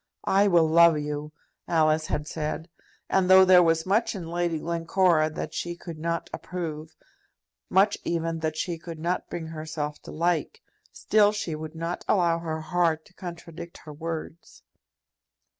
"I will love you!" Alice had said; and though there was much in Lady Glencora that she could not approve, much even that she could not bring herself to like, still she would not allow her heart to contradict her words.